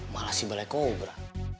malah si black cobra